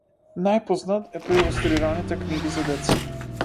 Најпознат е по илустрираните книги за деца.